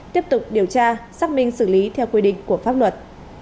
tiếp tục điều tra xác minh xử lý theo quy định của pháp luật